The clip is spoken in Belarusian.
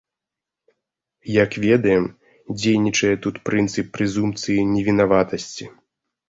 Як ведаем, дзейнічае тут прынцып прэзумпцыі невінаватасці.